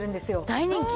大人気！